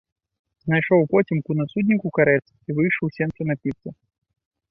Знайшоў упоцемку на судніку карэц і выйшаў у сенцы напіцца.